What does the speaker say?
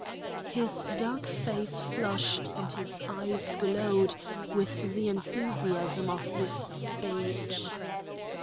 His dark face flushed and his eyes glowed with the enthusiasm of this speech.